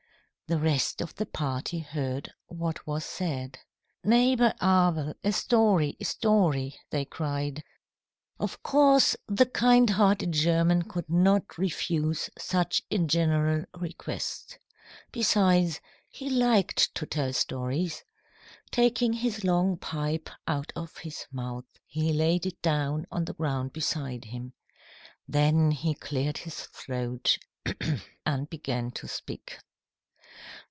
The rest of the party heard what was said. "Neighbour Abel! A story, a story," they cried. Of course the kind hearted German could not refuse such a general request. Besides, he liked to tell stories. Taking his long pipe out of his mouth, he laid it down on the ground beside him. Then he cleared his throat and began to speak.